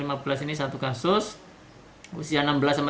tidak hanya soal jumlah anak yang terpapar